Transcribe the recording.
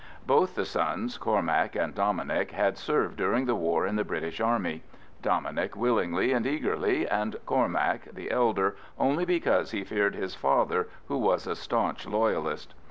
Both the sons, Cormac and Dominic, had served during the war in the British Army. Dominic willingly and eagerly, and Cormac, the elder, only because he feared his father, who was a staunch Loyalist.